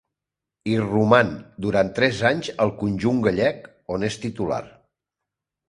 Hi roman durant tres anys al conjunt gallec, on és titular.